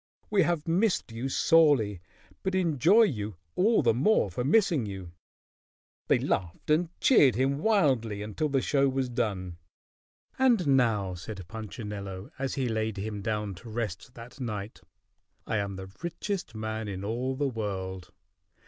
"We have missed you sorely, but enjoy you all the more for missing you." They laughed and cheered him wildly until the show was done. "And now," said Punchinello, as he laid him down to rest that night, "I am the richest man in all the world.